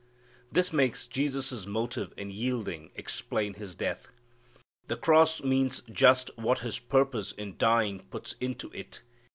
This makes Jesus' motive in yielding explain His death. The cross means just what His purpose in dying puts into it.